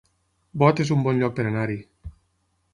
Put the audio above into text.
Bot es un bon lloc per anar-hi